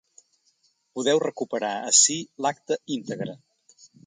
Podeu recuperar ací l’acte íntegre.